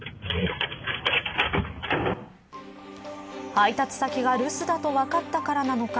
配達先が留守だと分かったからなのか